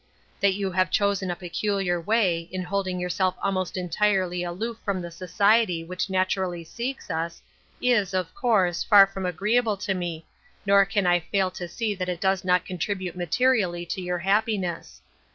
That you have chosen a peculiar way, in holding yourself almost entirely aloof from the society which naturally seeks us, is, of course, far from agreeable to me, nor can I fail to see that it does not contribute materially to your happiness.